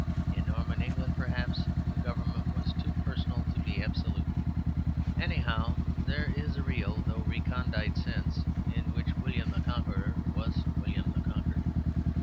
In Norman England, perhaps, the government was too personal to be absolute. Anyhow, there is a real though recondite sense in which William the Conqueror was William the Conquered.